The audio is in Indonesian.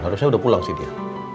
harusnya udah pulang sih dia